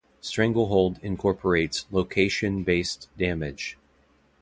"Stranglehold" incorporates location-based damage.